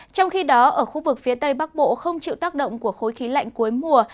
trong khi đó ở khu vực phía tây bắc bộ không chịu tác động của khối khí lạnh cuối mùa